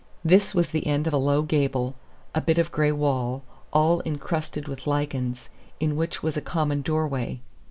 This was the end of a low gable, a bit of gray wall, all incrusted with lichens, in which was a common door way.